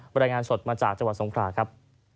รายงานสดมาจากจังหวัดสงคราครับ